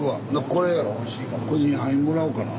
これ２杯もらおうかな。